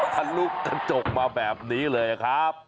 ทะลุกระจกมาแบบนี้เลยครับ